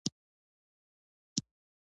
تحقیقي نثر د نثر یو ډول دﺉ.